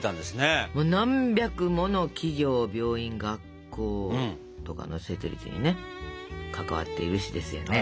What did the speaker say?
何百もの企業病院学校とかの設立にね関わっているしですね。